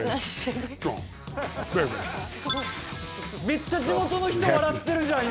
めっちゃ地元の人笑ってるじゃん